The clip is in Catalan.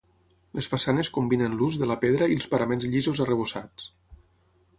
Les façanes combinen l'ús de la pedra i els paraments llisos arrebossats.